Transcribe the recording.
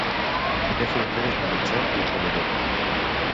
Té fronteres amb el Txad i el Camerun.